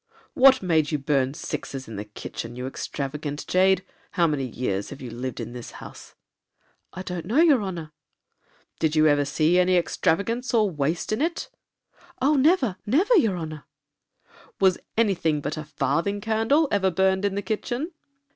'What made you burn sixes in the kitchen, you extravagant jade? How many years have you lived in this house?' 'I don't know, your honor.' 'Did you ever see any extravagance or waste in it?' 'Oh never, never, your honor.' 'Was any thing but a farthing candle ever burned in the kitchen?'